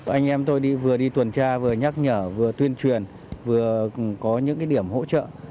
anh em tôi vừa đi tuần tra vừa nhắc nhở vừa tuyên truyền vừa có những điểm hỗ trợ